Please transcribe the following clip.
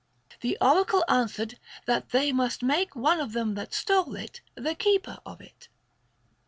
The oracle answered that they must make one of them that stole it the keeper of it.